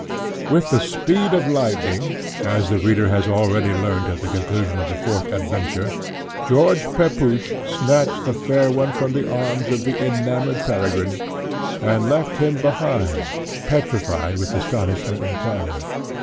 With the speed of lightning, as the reader has already learnt at the conclusion of the fourth adventure, George Pepusch snatched the fair one from the arms of the enamoured Peregrine, and left him behind petrified with astonishment and terror.